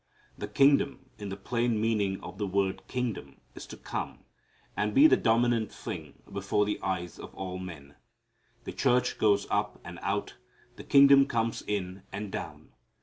The kingdom, in the plain meaning of the word kingdom, is to come, and be the dominant thing before the eyes of all men. The church goes up and out. The kingdom comes in and down.